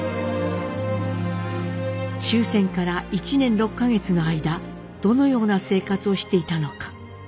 終戦から１年６か月の間どのような生活をしていたのか？